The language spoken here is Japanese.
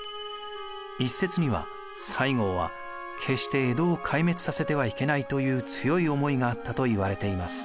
一説には西郷は決して江戸を壊滅させてはいけないという強い思いがあったといわれています。